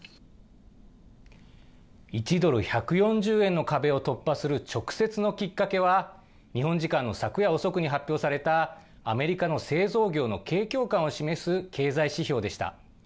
１ドル１４０円の壁を突破する直接のきっかけは、日本時間の昨夜遅くに発表されたアメリカの製造業の景況感を示す経済指標でした。